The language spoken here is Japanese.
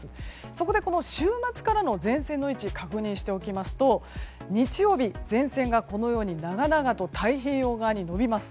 そこで、週末からの前線の位置確認しておきますと日曜日、前線が長々と太平洋側に延びます。